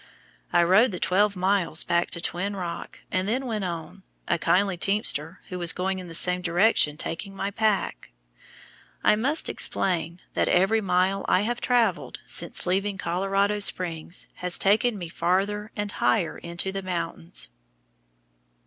I rode the twelve miles back to Twin Rock, and then went on, a kindly teamster, who was going in the same direction, taking my pack. I must explain that every mile I have traveled since leaving Colorado Springs has taken me farther and higher into the mountains.